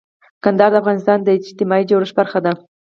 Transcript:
کندهار د افغانستان د اجتماعي جوړښت برخه ده.